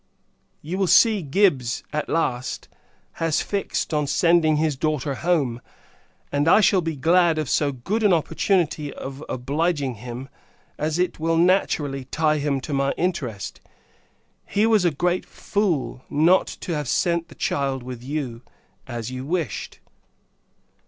You will see, Gibbs, at last, has fixed on sending his daughter home; and I shall be glad of so good an opportunity of obliging him, as it will naturally tie him to my interest. He was a great fool, not to have sent the child with you, as you wished.